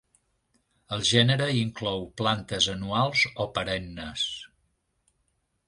El gènere inclou plantes anuals o perennes.